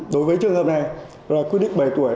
đối với trường hợp này quyết định bảy tuổi